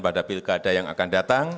pada pilkada yang akan datang